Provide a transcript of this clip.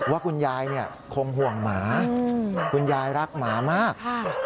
ว่าคุณยายคงห่วงหมาคุณยายรักหมามาก